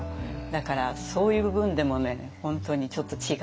だからそういう部分でもね本当にちょっと違う。